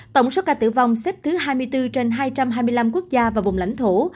tổng số ca tử vong xếp thứ hai mươi bốn trên hai trăm hai mươi năm quốc gia và vùng lãnh thổ